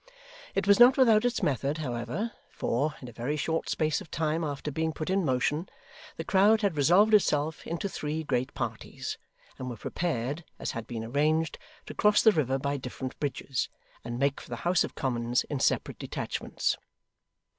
It was not without its method, however; for, in a very short space of time after being put in motion, the crowd had resolved itself into three great parties, and were prepared, as had been arranged, to cross the river by different bridges, and make for the House of Commons in separate detachments.